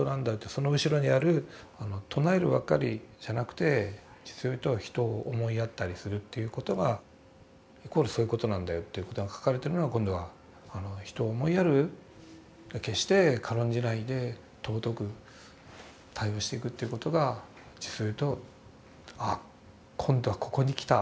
その後ろにある唱えるばっかりじゃなくて実を言うと人を思いやったりするということがイコールそういうことなんだよということが書かれてるのが今度は人を思いやる決して軽んじないで尊く対応していくということが実を言うとああ今度はここにきたと思って。